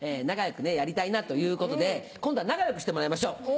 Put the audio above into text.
仲良くやりたいなということで今度は仲良くしてもらいましょう。